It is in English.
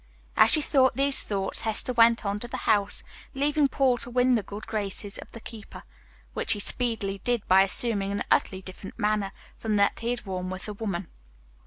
As she thought these thoughts Hester went on to the house, leaving Paul to win the good graces of the keeper, which he speedily did by assuming an utterly different manner from that he had worn with the woman.